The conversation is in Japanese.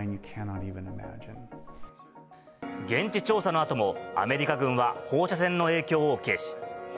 現地調査のあとも、アメリカ軍は放射線の影響を軽視。